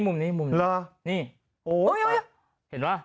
หรือนี่เห็นไหมจะเห็นว่า